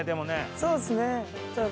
そうですね。